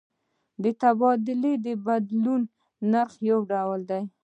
د تبادلې بدلیدونکی نرخ یو ډول دی.